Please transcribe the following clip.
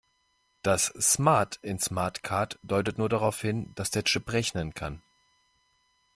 Das "smart" in SmartCard deutet nur darauf hin, dass der Chip rechnen kann.